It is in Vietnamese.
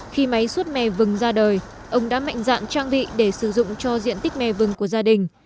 khi máy suốt mè vừng ra đời ông đã mạnh dạn trang bị để sử dụng cho diện tích mè vừng của gia đình